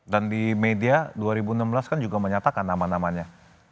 dan di media dua ribu enam belas kan juga menyatakan nama namanya